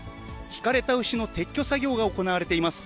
ひかれた牛の撤去作業が行われています。